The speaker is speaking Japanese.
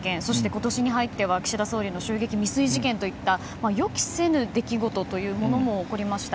今年に入っては岸田総理の襲撃未遂事件といった予期せぬ出来事というものも起こりました。